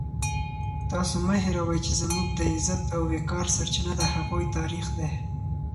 تاسو مه هېروئ چې زموږ د عزت او وقار سرچینه د هغوی تاریخ دی.